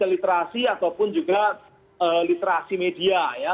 literasi ataupun juga literasi media ya